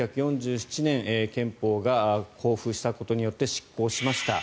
１９４７年憲法が交付したことによって失効しました。